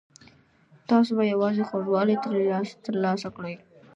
تاسو به یوازې خوږوالی ترې ترلاسه کړئ.